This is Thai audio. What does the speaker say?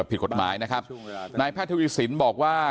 ผิดกฎหมายนะครับนายแพทย์ทวีสินบอกว่า